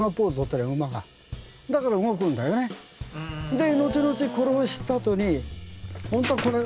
で後々これを知ったあとに本当はこれ。